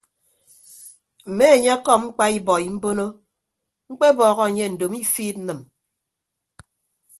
Mme enye ọkọm mkpa ibọi mbono mkpebọhọ anye ndomo ifiid nnịm.